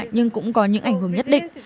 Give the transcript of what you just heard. nhưng cũng có những ảnh hưởng nhất định